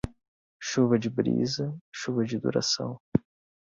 Chuva de brisa, chuva de duração.